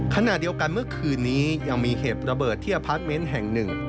ขณะเดียวกันเมื่อคืนนี้ยังมีเหตุระเบิดที่อพาร์ทเมนต์แห่งหนึ่ง